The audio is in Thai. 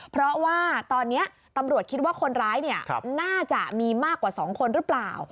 เพราะว่าตอนนี้ตำรวจคิดว่าคนร้ายน่าจะมีมากกว่า๒คนหรือเปล่า